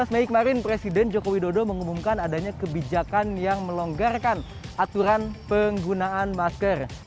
tujuh belas mei kemarin presiden joko widodo mengumumkan adanya kebijakan yang melonggarkan aturan penggunaan masker